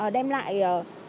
đem lại đến